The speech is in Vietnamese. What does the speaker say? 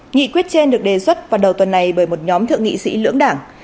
nghị quyết trên được đề xuất vào đầu tuần này bởi một nhóm thượng nghị sĩ lưỡng đảng